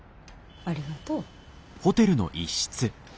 ありがとう。